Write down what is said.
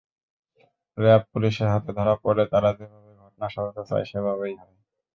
র্যাব-পুলিশের হাতে ধরা পড়লে তারা যেভাবে ঘটনা সাজাতে চায়, সেভাবেই হয়।